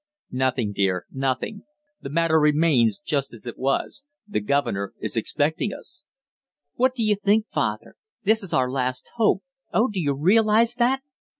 "Nothing, dear, nothing the matter remains just as it was. The governor is expecting us." "What do you think, father? This is our last hope. Oh, do you realize that?"